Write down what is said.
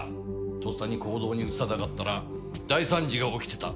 とっさに行動に移さなかったら大惨事が起きてた。